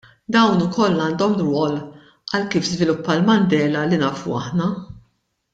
Dawn ukoll għandhom rwol għal kif żviluppa l-Mandela li nafu aħna.